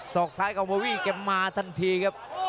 อกซ้ายของโบวี่แกมาทันทีครับ